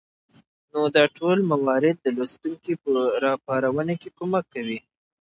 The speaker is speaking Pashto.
نو دا ټول موارد د لوستونکى په راپارونه کې کمک کوي